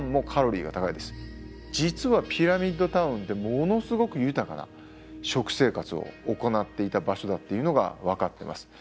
実はピラミッド・タウンってものすごく豊かな食生活を行っていた場所だっていうのが分かってます。